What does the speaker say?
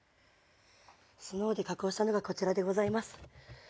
ＳＮＯＷで加工したのがこちらでございます。